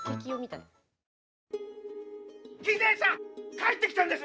帰ってきたんです